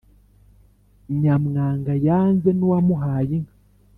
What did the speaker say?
Nyamwanga yanze n’uwamuhaye inka.